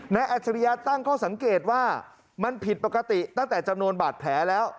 อัจฉริยะตั้งข้อสังเกตว่ามันผิดปกติตั้งแต่จำนวนบาดแผลแล้ว